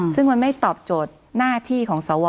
ซึ่งมันไม่ตอบโจทย์หน้าที่ของสว